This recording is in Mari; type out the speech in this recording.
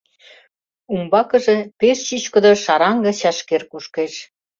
Умбакыже пеш чӱчкыдӧ шараҥге чашкер кушкеш.